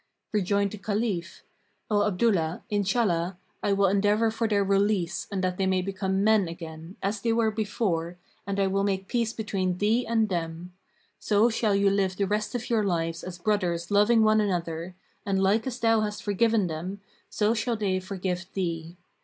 Rejoined the Caliph, "O Abdullah, Inshallah, I will endeavour for their release and that they may become men again, as they were before, and I will make peace between thee and them; so shall you live the rest of your lives as brothers loving one another; and like as thou hast forgiven them, so shall they forgive thee.